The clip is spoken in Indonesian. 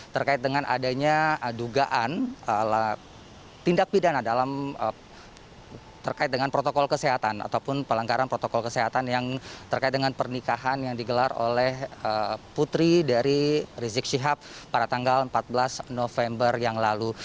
terkait dengan adanya dugaan tindak pidana dalam terkait dengan protokol kesehatan ataupun pelanggaran protokol kesehatan yang terkait dengan pernikahan yang digelar oleh putri dari rizik syihab pada tanggal empat belas november yang lalu